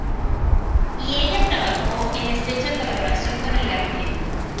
Y ella trabajó en estrecha colaboración con el gabinete.